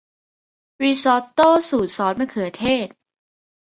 ริซอตโต้สูตรซอสมะเขือเทศ